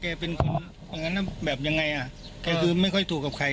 แกเป็นคนแบบยังไงอ่ะแกคือไม่ค่อยถูกกับใครอ่ะ